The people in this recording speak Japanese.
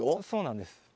そうなんです。